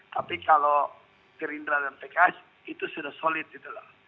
tapi kalau gerindra dan pks itu sudah solid gitu loh